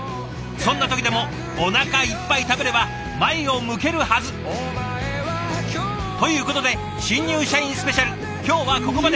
そんな時でもおなかいっぱい食べれば前を向けるはず！ということで「新入社員スペシャル」今日はここまで。